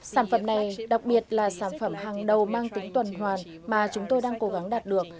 sản phẩm này đặc biệt là sản phẩm hàng đầu mang tính tuần hoàn mà chúng tôi đang cố gắng đạt được